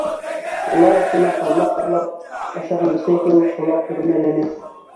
Улар артынан ҡаймаҡ урлап ашаған бесәй кеүек Сулаҡ йүрмәләне.